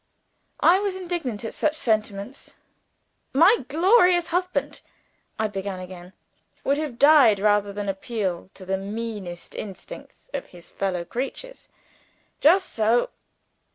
I was indignant at such sentiments. "My glorious husband " I began again. "Would have died rather than appeal to the meanest instincts of his fellow creatures. Just so!